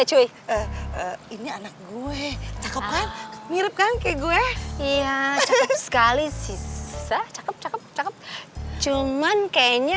hai cuy ini anak gue mirip kan kayak gue iya sekali sih cakep cakep cuman kayaknya